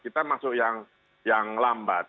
kita masuk yang lambat